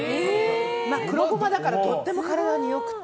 まあ、黒ゴマだからとっても体に良くて。